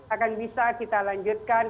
akan bisa kita lanjutkan